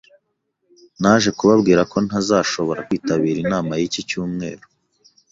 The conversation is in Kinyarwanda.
Naje kubabwira ko ntazashobora kwitabira inama y'iki cyumweru.